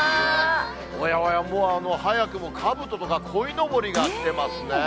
おやおや、もう早くもかぶととかこいのぼりが出てますね。